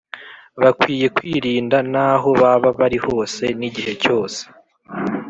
Bakwiye kwirinda naho baba bari hose n,igihe cyose.